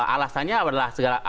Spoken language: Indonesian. alasannya adalah segala